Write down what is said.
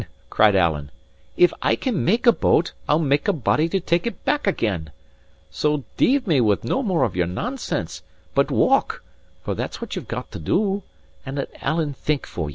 cried Alan, "if I make a boat, I'll make a body to take it back again! So deave me with no more of your nonsense, but walk (for that's what you've got to do) and let Alan think for ye."